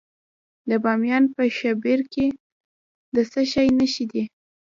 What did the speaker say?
د بامیان په شیبر کې د څه شي نښې دي؟